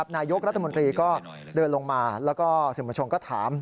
นายกรัฐมนตรีก็เดินลงมาแล้วก็สื่อมวลชนก็ถาม